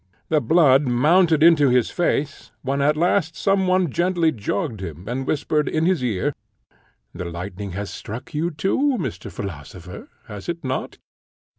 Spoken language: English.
The blood mounted into his face, when at last some one gently jogged him, and whispered in his ear, "The lightning has struck you too, Mr. Philosopher, has it not?"